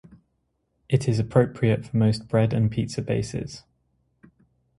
It is appropriate for most bread and pizza bases.